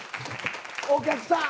お客さん。